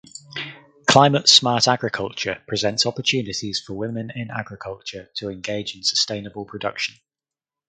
Climate Smart Agriculture presents opportunities for women in agriculture to engage in sustainable production.